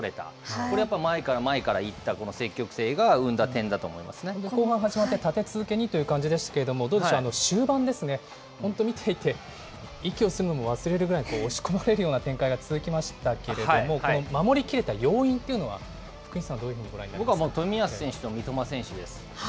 これやっぱり前から前からいった後半始まって立て続けにという感じでしたけれども、どうでしょう、終盤ですね、本当、見ていて息をするのも忘れるぐらい、押し込まれるような展開が続きましたけれども、守りきれた要因というのは福西さん、どういうふうに僕は冨安選手と三笘選手です。